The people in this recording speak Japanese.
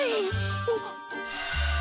あっ。